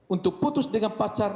untuk putus dengan pacar